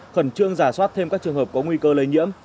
khẩn trương giả soát thêm các trường hợp có nguy cơ lây nhiễm